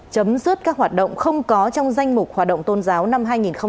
chấm dứt các hoạt động không có trong danh mục hoạt động tôn giáo năm hai nghìn hai mươi bốn